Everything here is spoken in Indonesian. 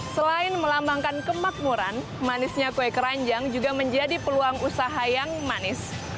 selain melambangkan kemakmuran manisnya kue keranjang juga menjadi peluang usaha yang manis